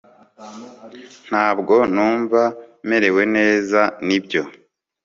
ntabwo numva merewe neza nibyo